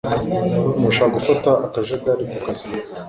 Urashaka gufata akajagari ku kazi?